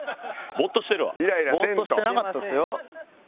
ボーッとしてなかったですよ。